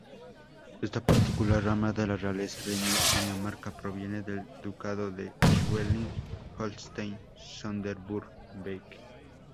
Esta particular rama de la realeza de Dinamarca proviene del ducado de Schleswig-Holstein-Sonderburg-Beck.